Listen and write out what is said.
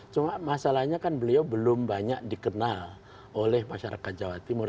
cuma masalahnya kan beliau belum banyak dikenal oleh masyarakat jawa timur